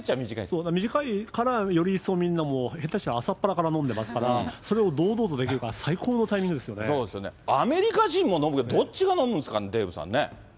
そう、短いからより一層、みんなもう、下手したら朝っぱらから飲んでますから、それを堂々とできるから、そうですよね、アメリカ人も飲む、どっちが飲むんですかね、デーブさんね。